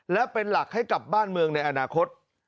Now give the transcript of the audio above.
และเป็นหลักให้กับบ้านเมืองในอนาคต